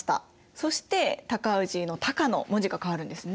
そして高氏の「高」の文字が変わるんですね。